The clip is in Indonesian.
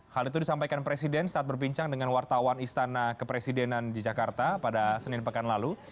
hal itu disampaikan presiden saat berbincang dengan wartawan istana kepresidenan di jakarta pada senin pekan lalu